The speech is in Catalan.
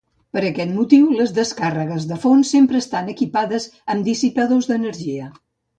Per aquest motiu les descàrregues de fons sempre estan equipades amb dissipadors d'energia.